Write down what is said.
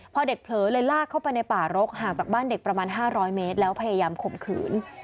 พอเด็กเผลอเลยลากเข้าไปในป่ารกห่างจากบ้านเด็กประมาณ๕๐๐เมตรแล้วพยายามข่มขืน